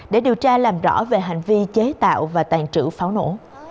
để điều tra làm rõ về hành vi chế tạo và tàn trữ pháo nổ